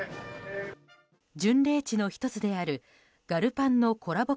巡礼地の１つである「ガルパン」のコラボ